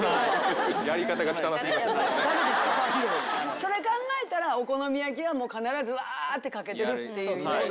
それ考えたらお好み焼きは必ずわってかけてるっていうイメージ。